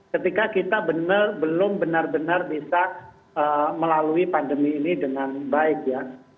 ketika kita belum benar benar bisa melalui pandemi ini dengan baik ya